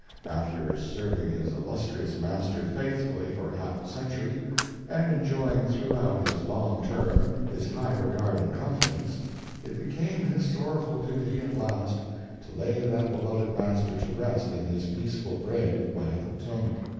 After serving his illustrious master faithfully for half a century, and enjoying throughout this long term his high regard and confidence, it became his sorrowful duty at last to lay that beloved master to rest in his peaceful grave by the Potomac.